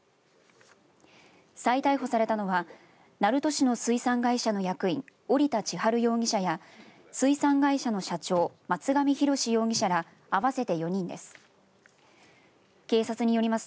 再逮捕されたのは鳴門市の水産会社の役員織田智春容疑者や水産会社の社長松上宏容疑者ら合わせて４人です。